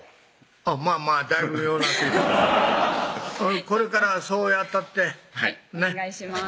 まぁまぁだいぶようなってきたこれからはそうやったってお願いします